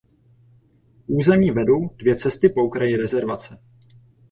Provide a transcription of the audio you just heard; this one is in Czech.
K území vedou dvě cesty po okraji rezervace.